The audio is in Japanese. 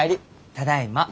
ただいま。